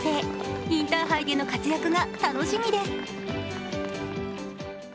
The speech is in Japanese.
インターハイでの活躍が楽しみです。